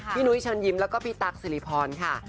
พี่หนุยเชิญยิ้มแล้วก็พี่ตั๊กศรีพรค่ะ